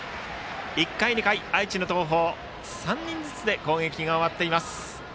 １回、２回と愛知の東邦は３人ずつで攻撃が終わっています。